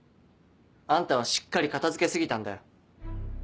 あんたはしっかり片付け過ぎたんだよ。